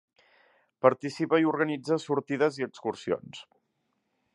Participa i organitza sortides i excursions.